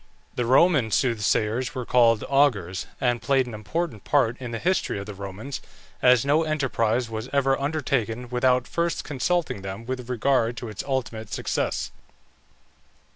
The Roman soothsayers were called augurs, and played an important part in the history of the Romans, as no enterprise was ever undertaken without first consulting them with regard to its ultimate success.